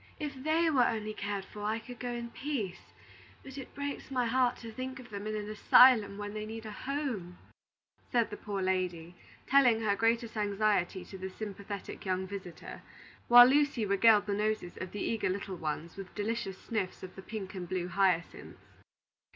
"If they were only cared for, I could go in peace; but it breaks my heart to think of them in an asylum, when they need a home," said the poor lady, telling her greatest anxiety to this sympathetic young visitor; while Lucy regaled the noses of the eager little ones with delicious sniffs of the pink and blue hyacinths.